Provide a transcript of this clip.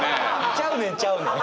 ちゃうねんちゃうねん！